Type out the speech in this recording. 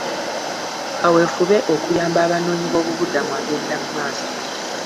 Kaweefube okuyamba abanoonyi b'obubuddamu agenda maaso.